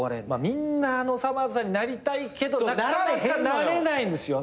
みんなさまぁずさんになりたいけどなかなかなれないんですよね。